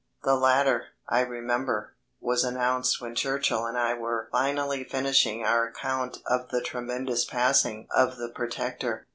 The latter, I remember, was announced when Churchill and I were finally finishing our account of the tremendous passing of the Protector.